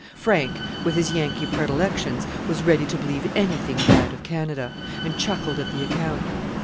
Frank, with his Yankee predilections, was ready to believe anything bad of Canada, and chuckled at the account.